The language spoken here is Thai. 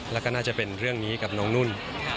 แล้วก็น่าจะเป็นเรื่องนี้กับน้องนุ่น